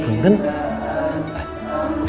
nunggu aja kan